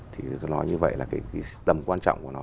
thì tôi nói như vậy là cái tầm quan trọng của nó